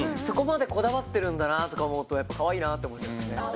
そこまでこだわってるんだなとか思うとやっぱかわいいなって思いますね。